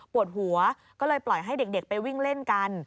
ปวดหัวก็เลยปล่อยให้เด็กไปวิ่งเล่นกัน